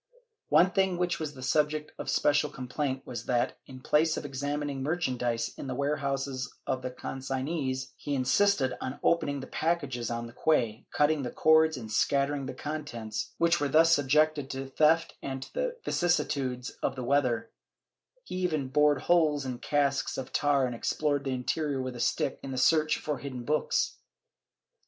One thing which was the subject of especial complaint was that, in place of examining merchandise in the warehouses of the consignees, he insisted on opening the packages on the quay, cutting the cords and scattering the contents, which were thus subjected to theft and to the vicissitudes of the weather; he even bored holes in casks of tar and explored the interior with a stick in the search for hidden books.